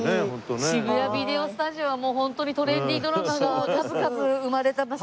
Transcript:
渋谷ビデオスタジオはもう本当にトレンディードラマが数々生まれた場所ですよね。